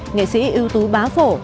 nghệ sĩ ưu tú bá phổ